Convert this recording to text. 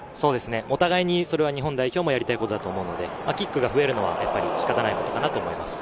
お互いに、それは日本代表もやりたいことだと思うので、キックが増えるのは仕方ないことかなと思います。